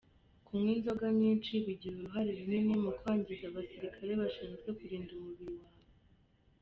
Kunywa inzoga nyinshi bigira uruhare runini mu kwangiza abasirikare bashinzwe kurinda umubiri wawe.